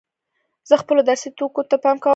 زه خپلو درسي توکو ته پام کوم.